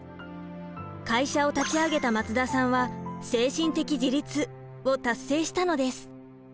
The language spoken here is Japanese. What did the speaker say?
会社を立ち上げた松田さんは精神的自立を達成したのです。